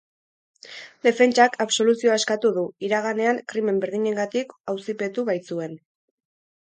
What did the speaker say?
Defentsak absoluzioa eskatu du, iraganean krimen berdinengatik auzipetu baitzuten.